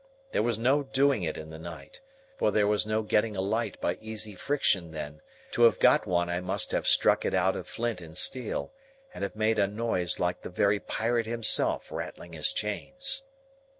There was no doing it in the night, for there was no getting a light by easy friction then; to have got one I must have struck it out of flint and steel, and have made a noise like the very pirate himself rattling his chains.